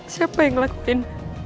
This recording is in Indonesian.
siapa yang ngelakuin